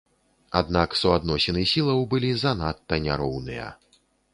Аднак суадносіны сілаў былі занадта няроўныя.